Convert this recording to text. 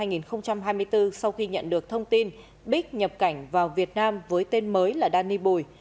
năm hai nghìn hai mươi bốn sau khi nhận được thông tin bích nhập cảnh vào việt nam với tên mới là danny bùi